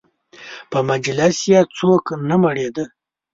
په مجلس یې څوک نه مړېده.